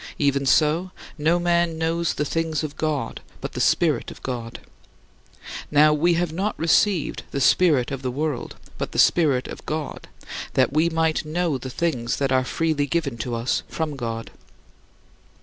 Even so, no man knows the things of God, but the Spirit of God. Now we have not received the spirit of the world, but the Spirit of God, that we might know the things that are freely given to us from God."